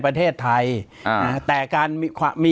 ปากกับภาคภูมิ